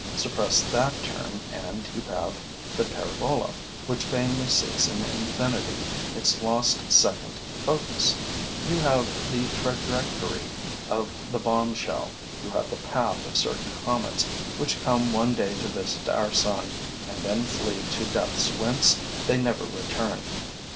Suppress that term and you have the parabola, which vainly seeks in infinity its lost second focus; you have the trajectory of the bombshell; you have the path of certain comets which come one day to visit our sun and then flee to depths whence they never return.